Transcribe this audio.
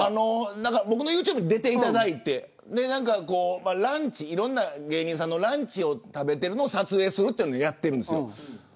僕のユーチューブに出ていただいていろんな芸人さんのランチを食べてるのを撮影するというのをやってるんです。